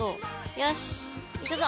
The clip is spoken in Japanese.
よしいくぞ！